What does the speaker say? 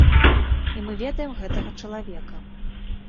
І мы ведаем гэтага чалавека.